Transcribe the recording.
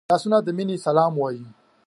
لاسونه د مینې سلام وايي